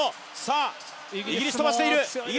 イギリス飛ばしている。